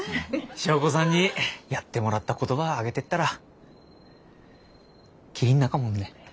祥子さんにやってもらったことば挙げてったらキリんなかもんね。